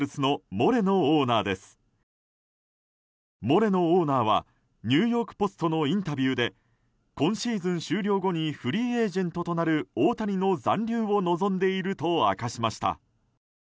モレノオーナーはニューヨーク・ポストのインタビューで今シーズン終了後にフリーエージェントとなる大谷の残留を望んでいると明かしました。